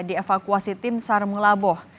dievakuasi tim sar mengelaboh